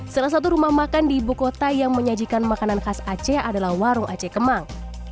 salah satu rumah makan di ibu kota yang menyajikan makanan khas aceh adalah warung aceh kemang